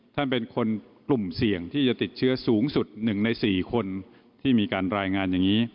ท่านเป็นคนกลุ่มเสี่ยงที่จะติดเชื้อสูงสุด๑ใน๔คนที่มีการรายงานอย่างนี้